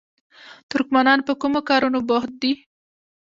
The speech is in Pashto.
ترکمنان په کومو کارونو بوخت دي؟